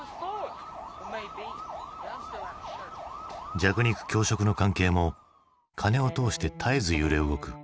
弱肉強食の関係もカネを通して絶えず揺れ動く。